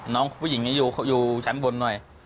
น้องผู้หญิงนี้อยู่ชั้นบนหน่อย